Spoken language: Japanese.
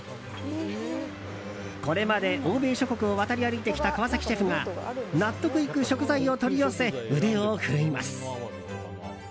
これまで欧米諸国を渡り歩いてきた川崎シェフが納得いく食材を取り寄せ腕を振るいます。